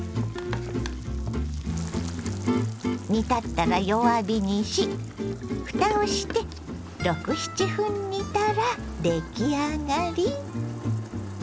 煮立ったら弱火にしふたをして６７分煮たら出来上がり。